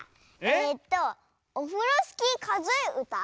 えっと「オフロスキーかぞえうた」？